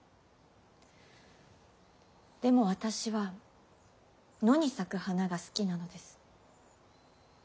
でも私は野に咲く花が好きなのです。